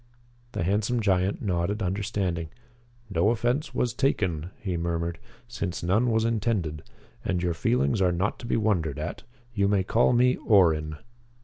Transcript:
The handsome giant nodded understanding. "No offense was taken," he murmured, "since none was intended. And your feelings are not to be wondered at. You may call me Orrin."